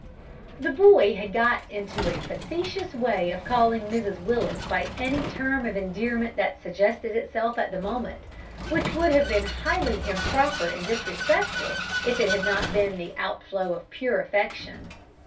The boy had got into a facetious way of calling Mrs Willis by any term of endearment that suggested itself at the moment, which would have been highly improper and disrespectful if it had not been the outflow of pure affection.